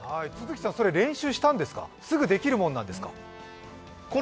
それ練習したんですか、すぐできるものなんですか。